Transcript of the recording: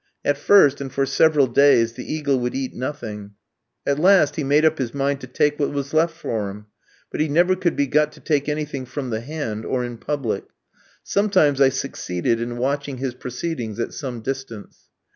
At first, and for several days, the eagle would eat nothing; at last, he made up his mind to take what was left for him, but he never could be got to take anything from the hand, or in public. Sometimes I succeeded in watching his proceedings at some distance.